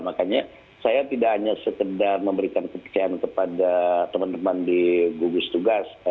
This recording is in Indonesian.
makanya saya tidak hanya sekedar memberikan kepercayaan kepada teman teman di gugus tugas